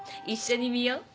一緒に見よう